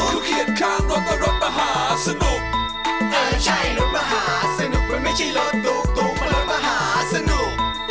คือเคียดข้างรถและรถมหาสนุกเออใช่รถมหาสนุกมันไม่ใช่รถตุ๊กตุ๊กมันรถมหาสนุก